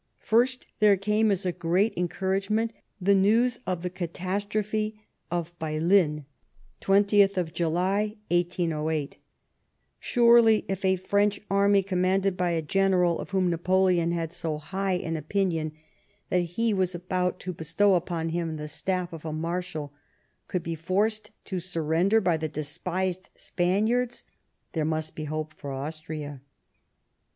First, there came as a great encouragement, the news of the catastrophe of Baylen, 20th of July, 1808. Surely if a French army, com manded by a general of whom Napoleon had so hio h an 24 LIFE OF PBINCE METTEBNICH. opinion that he was about to bestow upon hiui the staff of a Marshal, could be forced to surrender by the despised Spaniards, there must be hope for Austria.